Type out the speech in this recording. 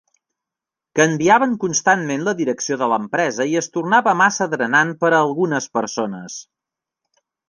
Canviaven constantment la direcció de l'empresa i es tornava massa drenant per a algunes persones.